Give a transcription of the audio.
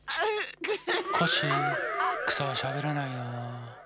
コッシーくさはしゃべらないよ。